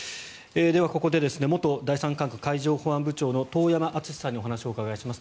では、ここで元第三管区海上保安本部長の遠山純司さんにお話をお伺いします。